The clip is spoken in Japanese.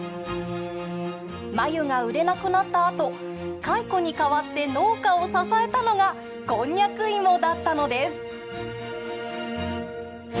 繭が売れなくなったあと蚕に代わって農家を支えたのがこんにゃく芋だったのです。